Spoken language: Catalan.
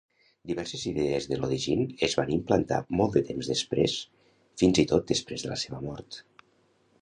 Diverses idees de Lodygin es van implantar molt de temps després, fins i tot després de la seva mort.